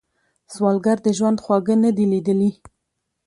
سوالګر د ژوند خواږه نه دي ليدلي